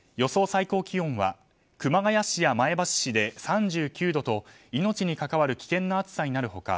最高気温は熊谷市や前橋市で３９度と命に関わる危険な暑さになる他